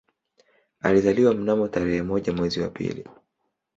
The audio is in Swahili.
Alizaliwa mnamo tarehe moja mwezi wa pili